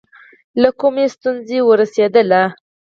له کومې ستونزې ورسېدله.